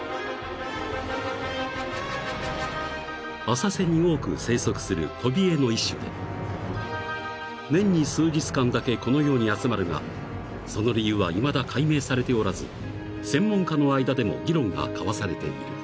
［浅瀬に多く生息するトビエイの一種で年に数日間だけこのように集まるがその理由はいまだ解明されておらず専門家の間でも議論が交わされている］